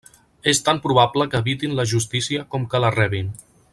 És tan probable que evitin la justícia com que la rebin.